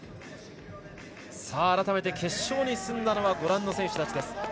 改めて、決勝に進んだのはご覧の選手たちです。